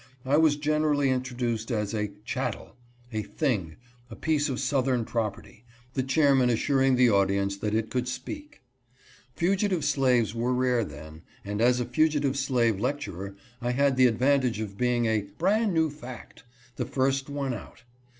I was generally introduced as a " chat tel "— a "thing" — a piece of southern property — the chairman assuring the audience that it could speak: Fugitive slaves were rare then, and as a fugitive slave lecturer, I had the advantage of being a " bran new fact" — the first one out.